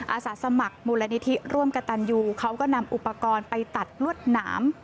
อาสาสมัครมูลนิธิร่วมกับตันยูเขาก็นำอุปกรณ์ไปตัดลวดหนาม